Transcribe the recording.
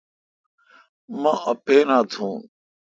مو اپینا تھون۔